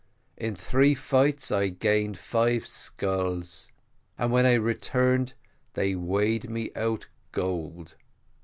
In three fights I had gained five skulls, and when I returned they weighed me out gold.